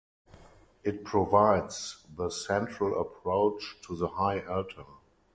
It provides the central approach to the high altar.